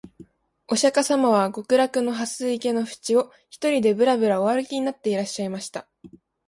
御釈迦様は極楽の蓮池のふちを、独りでぶらぶら御歩きになっていらっしゃいました